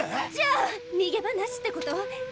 じゃあにげ場なしってこと？